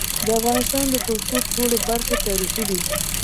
د افغانستان د کلتور ټولي برخي تاریخي دي.